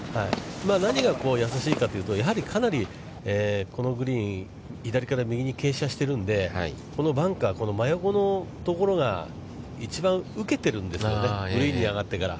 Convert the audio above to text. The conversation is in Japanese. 何が易しいかというと、やはり、かなりこのグリーンは左から右に傾斜してるんで、このバンカー、真横のところが一番、受けてるんですよね、グリーンに上がってから。